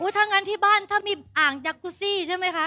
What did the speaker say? ถ้างั้นที่บ้านถ้ามีอ่างยักกุซี่ใช่ไหมคะ